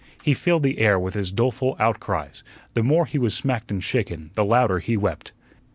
He filled the air with his doleful outcries. The more he was smacked and shaken, the louder he wept.